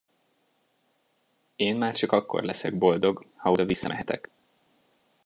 Én már csak akkor leszek boldog, ha oda visszamehetek!